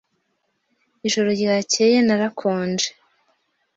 Ijoro ryakeye narakonje.